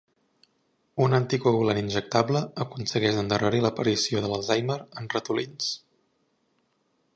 Un anticoagulant injectable aconsegueix d'endarrerir l'aparició de l'Alzheimer en ratolins.